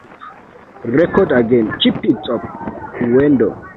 She is presently developing four feature films and theatre piece.